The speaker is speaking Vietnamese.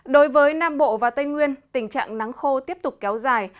đối với nam bộ và tây nguyên tình trạng nắng khô tiếp tục kéo dài